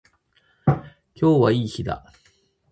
今日はいい日だ。